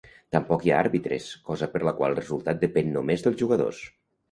Tampoc hi ha àrbitres, cosa per la qual el resultat depèn només dels jugadors.